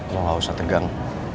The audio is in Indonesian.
lo gak usah tegang